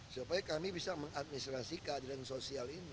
supaya kami bisa mengadministrasi keadilan sosial ini